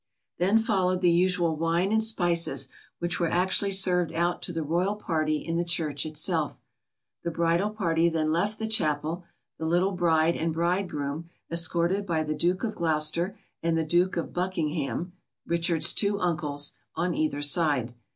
Then followed the usual wine and spices, which were actually served out to the royal party in the church itself. The bridal party then left the chapel, the little bride and bridegroom, escorted by the Duke of Gloucester and the Duke of Buckingham (Richard's two uncles) on either side.